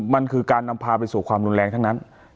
มันคือการนำพาไปสู่ความรุนแรงทั้งนั้น